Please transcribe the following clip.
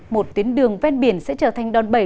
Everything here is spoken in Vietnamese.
một tuyến đường ven biển sẽ trở thành đòn bẩy